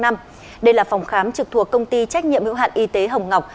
đây là phòng khám trực thuộc công ty trách nhiệm hữu hạn y tế hồng ngọc